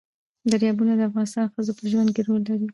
دریابونه د افغان ښځو په ژوند کې رول لري.